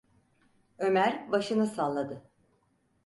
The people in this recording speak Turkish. Ömer başını salladı.